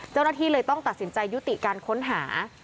เจ้าหน้าที่เลยต้องตัดสินใจยุติการค้นหา